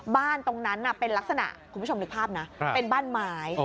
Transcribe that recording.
บ้านตรงนั้นเป็นลักษณะคุณผู้ชมนึกภาพนะเป็นบ้านไม้